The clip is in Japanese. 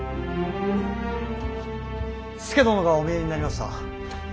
佐殿がお見えになりました。